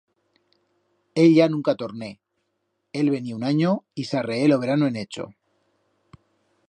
Ella nunca torné; él venié un anyo y s'arreé lo verano en Echo.